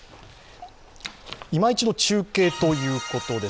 いま一度、中継ということです。